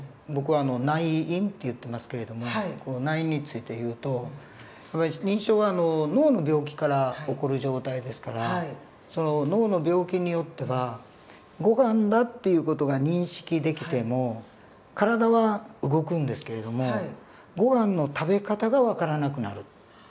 僕は内因って言ってますけれども内因について言うと認知症は脳の病気から起こる状態ですから脳の病気によってはごはんだっていう事が認識できても体は動くんですけれどもごはんの食べ方が分からなくなる。